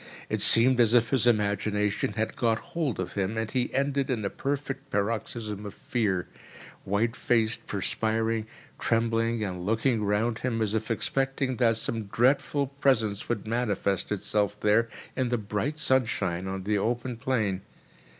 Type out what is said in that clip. It seemed as if his imagination had got hold of him, and he ended in a perfect paroxysm of fear—white faced, perspiring, trembling and looking round him, as if expecting that some dreadful presence would manifest itself there in the bright sunshine on the open plain.